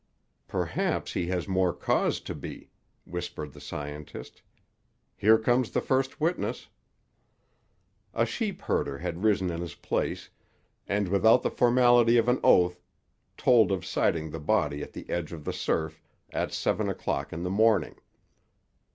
"Perhaps he has more cause to be," whispered the scientist. "Here comes the first witness." A sheep herder had risen in his place, and without the formality of an oath told of sighting the body at the edge of the surf at seven o'clock in the morning.